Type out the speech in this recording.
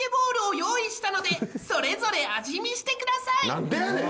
何でやねん！